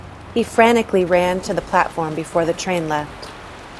He frantically ran to the platform before the train left.